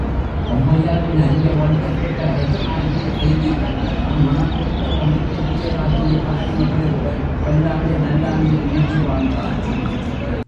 ஒளவையாரின் அரிய வாழ்த்தைப்பெற்ற அரசனாகிய தெய்வீகன், தான் மணம் முடித்த தமிழ்ச்செல்வியராகிய பாரிமகளிருடன் பல்லாண்டு நல்லாண்டு இனிது வாழ்ந்தான்.